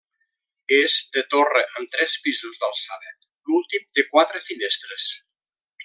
És de torre amb tres pisos d'alçada; l'últim té quatre finestres.